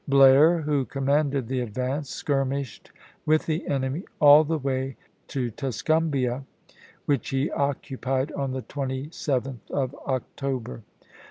Blair, who commanded the advance, skirmished with the enemy all the way to Tuscum bia, which he occupied on the 27th of October.